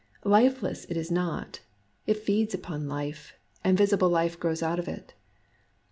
Lifeless it is not : it feeds upon life, and visi ble life grows out of it.